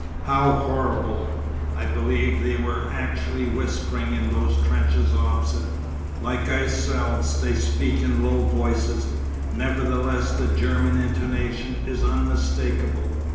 How horrible! I believe they were actually whispering in those trenches opposite. Like ourselves they speak in low voices; nevertheless the German intonation is unmistakable.